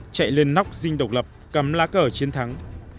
chạy lên nóc dinh độc lập cắm lá cờ chiến thắng